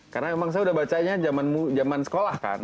karena emang saya udah bacanya zaman sekolah kan